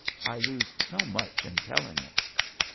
I lose so much in telling it."